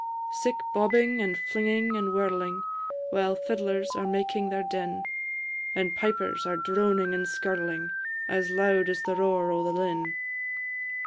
Sic bobbing, and flinging, and whirling, While fiddlers are making their din; And pipers are droning and skirling, As loud as the roar o' the linn.